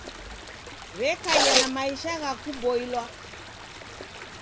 W'ekaia na maisha gha kuboilwa